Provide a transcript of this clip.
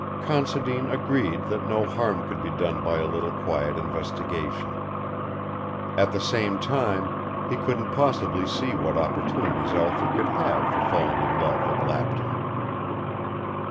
Considine agreed that no harm could be done by a little quiet investigation. At the same time he couldn't possibly see what opportunities Arthur could have had for falling in love at Lapton.